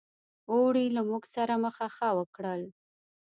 اوړي له موږ سره مخه ښه وکړل.